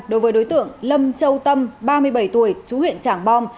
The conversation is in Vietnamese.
đối với đối tượng lâm châu tâm ba mươi bảy tuổi chú huyện trảng bom